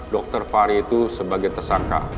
dr fahri itu sebagai tersangka